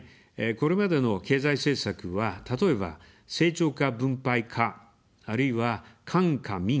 これまでの経済政策は、例えば「成長か分配か」、あるいは「官か民か」